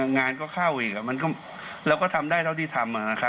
งานก็เข้าอีกเราก็ทำได้เท่าที่ทำ